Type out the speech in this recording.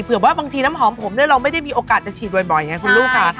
ว่าบางทีน้ำหอมผมเนี่ยเราไม่ได้มีโอกาสจะฉีดบ่อยไงคุณลูกค่ะ